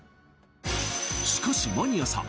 しかしマニアさん